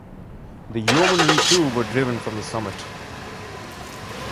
The yeomanry too were driven from the summit.